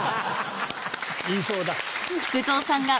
言いそうだ。